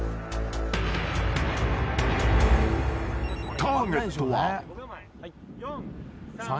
［ターゲットは］